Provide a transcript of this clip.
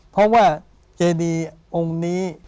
เพราะว่าเจดีองค์นี้